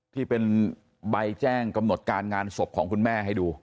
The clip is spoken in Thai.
ที่เป็นใบแจ้งกำหนดการงานศพของคุณแม่ให้ดู